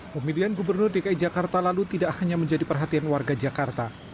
pemilihan gubernur dki jakarta lalu tidak hanya menjadi perhatian warga jakarta